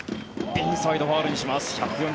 インサイド、ファウルにします１４７ｋｍ。